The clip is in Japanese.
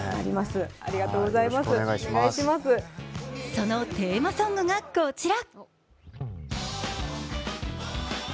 そのテーマソングが、こちら。